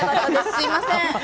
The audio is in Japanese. すみません。